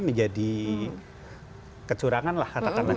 menjadi kecurangan lah katakanlah